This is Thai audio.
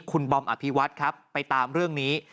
คุณบอมอภิวัตครับไปตามเรื่องนี้